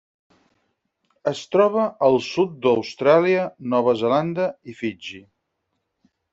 Es troba al sud d'Austràlia, Nova Zelanda i Fiji.